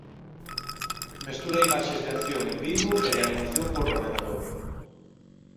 Mestura imaxes de acción en vivo e de animación por ordenador.